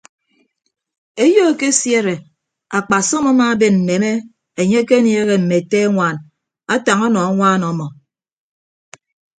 Eyo ekesiere akpasọm amaaben nneme enye ekeniehe mme ete añwaan atañ ọnọ añwaan ọmọ.